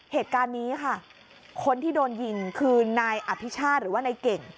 เหตุการณ์นี้ค่ะคนที่โดนยิงคือนายอภิชาติหรือว่านายเก่ง